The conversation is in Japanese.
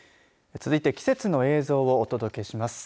続いて季節の映像をお届けします。